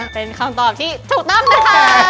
เป็นคำตอบที่ถูกต้องนะคะ